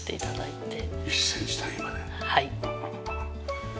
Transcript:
はい。